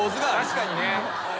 確かにね。